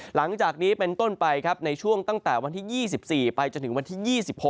หลังจากนี้เป็นต้นไปครับในช่วงตั้งแต่วันที่๒๔ไปจนถึงวันที่๒๖